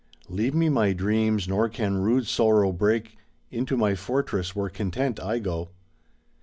Leave me my dreams, nor can rude sorrow break Into my fortress where content I go.